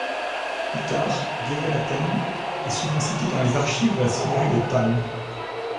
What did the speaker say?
Plus tard, Guevenatten est souvent cité dans les archives de la seigneurie de Thann.